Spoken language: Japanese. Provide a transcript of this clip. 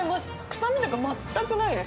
臭みとか全くないです。